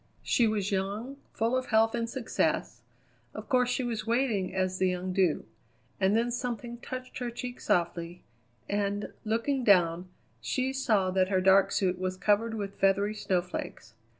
She was young, full of health and success. Of course she was waiting as the young do. And then something touched her cheek softly, and, looking down, she saw that her dark suit was covered with feathery snowflakes.